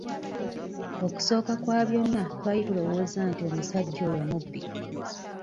Okusooka kwa byonna twali tulowooza nti omusajja oyo mubbi.